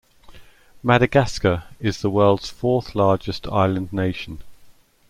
Madagascar is the world's fourth-largest island nation.